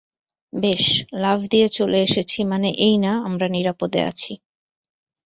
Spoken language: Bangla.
বেশ, লাফ দিয়ে চলে এসেছি মানে এই না আমরা নিরাপদে আছি।